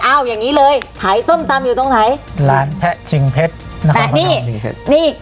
เอาอย่างงี้เลยขายส้นตำอยู่ตรงไหนร้านแพะชิงเพชรแพะนี่นี่